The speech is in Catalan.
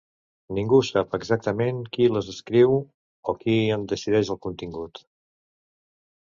Ningú sap exactament qui les escriu o qui en decideix el contingut.